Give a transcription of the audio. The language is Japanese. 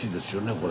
これ。